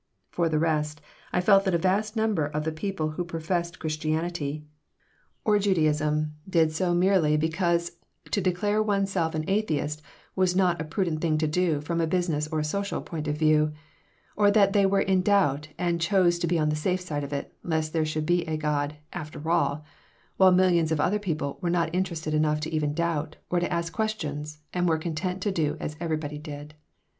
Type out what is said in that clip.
For the rest, I felt that a vast number of the people who professed Christianity or Judaism did so merely because to declare oneself an atheist was not a prudent thing to do from a business or social point of view, or that they were in doubt and chose to be on the safe side of it, lest there should be a God, "after all," while millions of other people were not interested enough even to doubt, or to ask questions, and were content to do as everybody did.